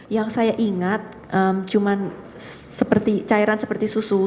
yang saya ingat cuma cairan seperti susu